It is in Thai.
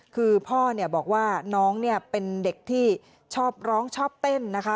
คือพ่อเนี่ยบอกว่าน้องเนี่ยเป็นเด็กที่ชอบร้องชอบเต้นนะคะ